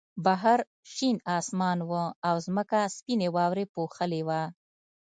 بهر شین آسمان و او ځمکه سپینې واورې پوښلې وه